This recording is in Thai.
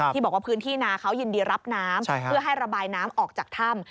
ที่บอกว่าพื้นที่นาเขายินดีรับน้ำเพื่อให้ระบายน้ำออกจากถ้ำ